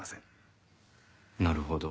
なるほど。